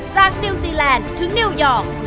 จากนิวซีแลนด์ถึงนิวยอร์ก